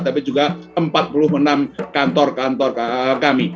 tapi juga empat puluh enam kantor kantor kami